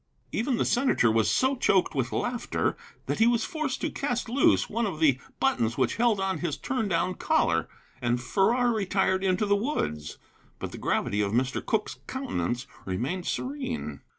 Even the senator was so choked with laughter that he was forced to cast loose one of the buttons which held on his turn down collar, and Farrar retired into the woods. But the gravity of Mr. Cooke's countenance remained serene.